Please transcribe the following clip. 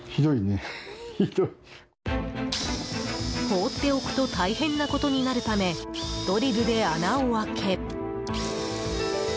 放っておくと大変なことになるためドリルで穴を開け。